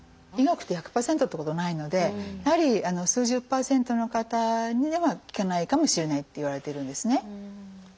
医学って１００％ってことはないのでやはり数十％の方には効かないかもしれないっていわれているんですね。